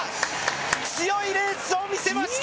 強いレースを見せました。